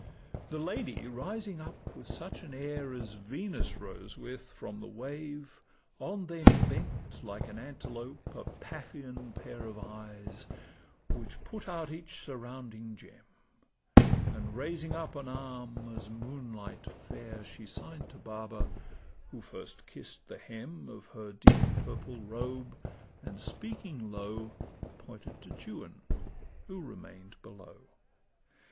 The lady rising up with such an air As Venus rose with from the wave, on them Bent like an antelope a Paphian pair Of eyes, which put out each surrounding gem; And raising up an arm as moonlight fair, She sign'd to Baba, who first kiss'd the hem Of her deep purple robe, and speaking low, Pointed to Juan who remain'd below.